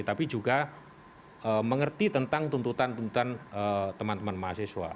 tapi juga mengerti tentang tuntutan tuntutan teman teman mahasiswa